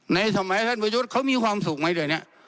สมัยท่านประยุทธ์เขามีความสุขไหมด้วยเนี่ย